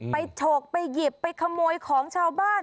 โฉกไปหยิบไปขโมยของชาวบ้าน